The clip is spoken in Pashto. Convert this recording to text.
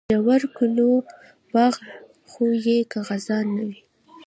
د ژړو ګلو باغ خو یې که خزان نه وي.